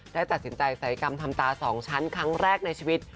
ได้ตัดสินใจใส่กรรมทำตา๒ชั้นครั้งแรกในชีวิต